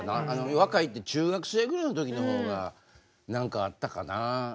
若いって中学生ぐらいの時の方が何かあったかな。